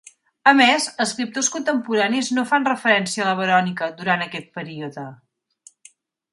A més, escriptors contemporanis no fan referència a la Verònica durant aquest període.